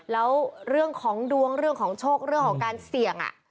แล้วเรื่องของดวงเรื่องของโชคเรื่องของการเสี่ยง